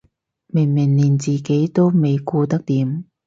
明明連自己都未顧得掂